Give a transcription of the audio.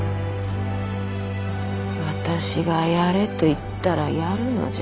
私がやれと言ったらやるのじゃ。